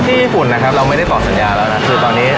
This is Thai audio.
ญี่ปุ่นนะครับเราไม่ได้ตอบสัญญาแล้วนะคือตอนนี้